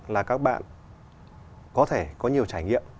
là các bạn có thể có nhiều trải nghiệm